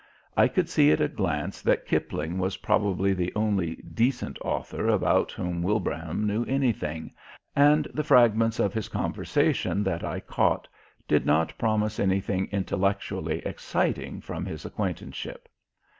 I could see at a glance that Kipling was probably the only "decent" author about whom Wilbraham knew anything, and the fragments of his conversation that I caught did not promise anything intellectually exciting from his acquaintanceship.